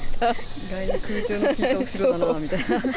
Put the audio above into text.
意外に空調が効いたお城だなあみたいな。